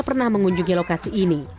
pernah mengunjungi lokasi ini